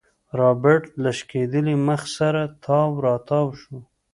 رابرټ له شکېدلي مخ سره تاو راتاو شو.